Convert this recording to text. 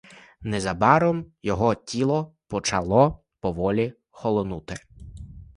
Незабаром його тіло почало поволі холонути.